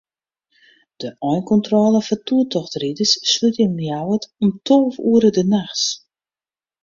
De einkontrôle foar toertochtriders slút yn Ljouwert om tolve oere de nachts.